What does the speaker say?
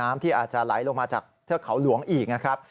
น้ำที่อาจจะไหลลงมาจากเท๊าขาวหลวงอีกนะครับ